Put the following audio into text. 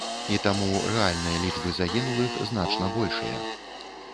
І таму рэальныя лічбы загінулых значна большыя.